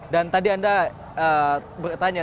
dan tadi anda bertanya